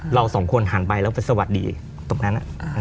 เราสองคนหันไปแล้วไปสวัสดีตรงนั้น